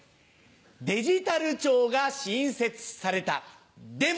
デジタル庁が新設されたでも。